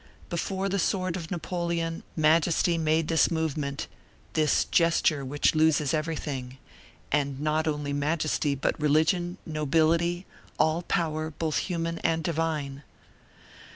Before the sword of Napoleon majesty made this movement, this gesture which loses everything, and not only majesty, but religion, nobility, all power both human and divine.